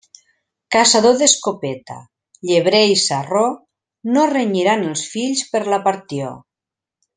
Caçador d'escopeta, llebrer i sarró, no renyiran els fills per la partió.